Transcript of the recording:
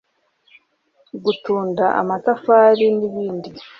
gutunda amatafari n’ibindi